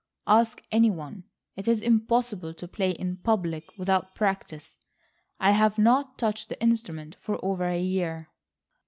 Ask any one. It is impossible to play in public without practice. I have not touched the instrument for over a year."